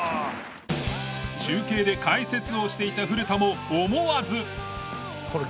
中継で解説をしていた古田も思わず。